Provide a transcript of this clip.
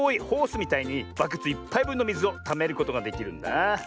ホースみたいにバケツ１ぱいぶんのみずをためることができるんだ。